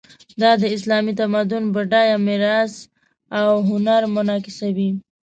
دا د اسلامي تمدن بډایه میراث او هنر منعکسوي.